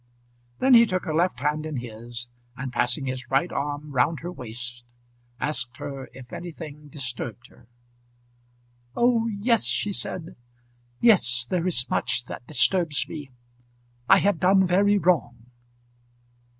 Then he took her left hand in his, and passing his right arm round her waist, asked her if anything disturbed her. "Oh yes," she said, "yes; there is much that disturbs me. I have done very wrong."